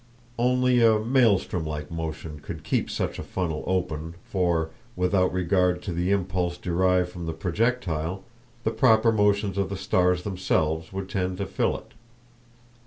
Only a maelstrom like motion could keep such a funnel open, for without regard to the impulse derived from the projectile, the proper motions of the stars themselves would tend to fill it.